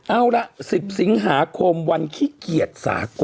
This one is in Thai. เอาละ๑๐สิงหาคมวันขี้เกียจสากล